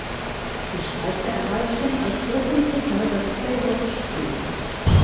Die Schweizer erreichten als Gruppendritter das Playoff-Spiel.